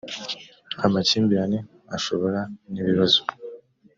amakimbirane ashobora nibibazo.